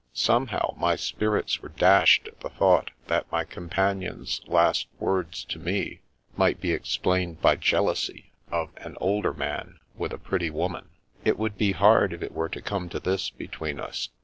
Somehow, my spirits were dashed at the thought that my companion's last words to me might be explained by jealousy of an older man with a pretty woman. It would be hard if it were to come to this between us.